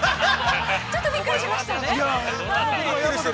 ◆ちょっとびっくりしましたね。